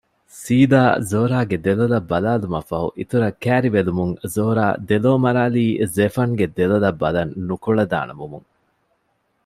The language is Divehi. ސީދާ ޒޯރާގެ ދެލޮލަށް ބަލާލުމަށްފަހު އިތުރަށް ކައިރިވެލުމުން ޒޯރާ ދެލޯމަރާލީ ޒެފަންގެ ދެލޮލަށް ބަލަން ނުކުޅަދާނަވުމުން